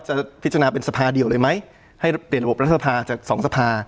จะพิจารณาเป็นสภาเดียวเลยไหมให้เปลี่ยนระบบรัฐสภาจากสองสภา